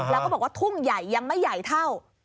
แล้วก็บอกว่าทุ่งใหญ่ยังไม่ใหญ่เท่า